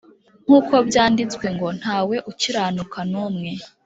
nkuko byanditswe ngo: Ntawe ukiranuka n'umwe